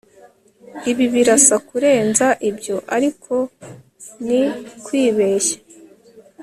ibi birasa kurenza ibyo, ariko ni kwibeshya